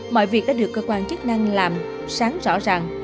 mọi việc đã được cơ quan chức năng làm sáng rõ ràng